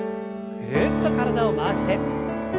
ぐるっと体を回して。